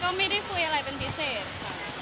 ก็ไม่ได้คุยอะไรเป็นพิเศษค่ะ